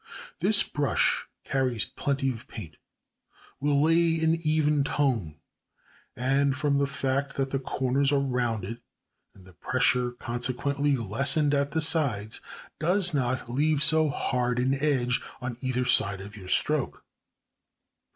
This brush carries plenty of paint, will lay an even tone, and, from the fact that the corners are rounded and the pressure consequently lessened at the sides, does not leave so hard an edge on either side of your stroke.